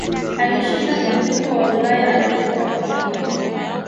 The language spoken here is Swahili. alishinda ubingwa wa ulaya alipokuwa porto